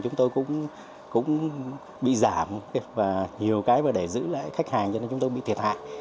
chúng tôi cũng bị giảm và nhiều cái mà để giữ lại khách hàng cho nên chúng tôi bị thiệt hại